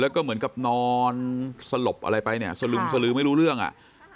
แล้วก็เหมือนกับนอนสลบอะไรไปเนี่ยสลึมสลือไม่รู้เรื่องอ่ะ